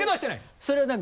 それは何？